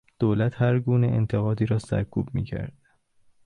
دولت هرگونه انتقادی را سرکوب میکرد.